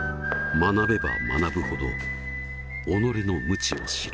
学べば学ぶほど己の無知を知る。